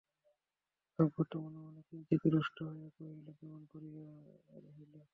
ভাগবত মনে মনে কিঞ্চিৎ রুষ্ট হইয়া কহিল, কেমন করিয়া হইল?